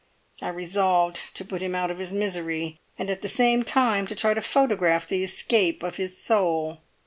I resolved to put him out of his misery, and at the same time to try to photograph the escape of his soul.